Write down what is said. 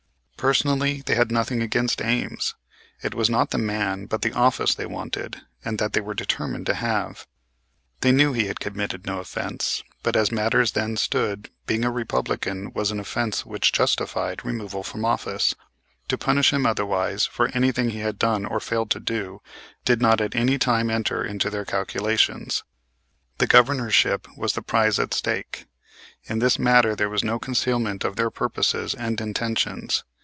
Personally they had nothing against Ames. It was not the man but the office they wanted, and that they were determined to have. They knew he had committed no offense, but, as matters then stood, being a Republican was an offense which justified removal from office. To punish him otherwise, for anything he had done or failed to do, did not at any time enter into their calculations. The Governorship was the prize at stake. In this matter there was no concealment of their purposes and intentions.